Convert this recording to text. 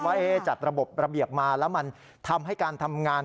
ว่าจัดระบบระเบียบมาแล้วมันทำให้การทำงาน